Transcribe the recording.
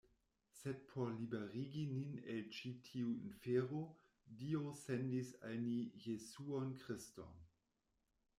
Sed por liberigi nin el ĉi tiu infero, Dio sendis al ni Jesuon Kriston.